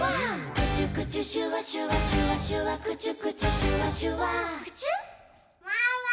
「クチュクチュシュワシュワシュワシュワクチュクチュ」「シュワシュワクチュ」ママ！